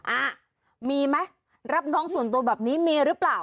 อ่ะมีไหมรับน้องส่วนตัวแบบนี้มีหรือเปล่า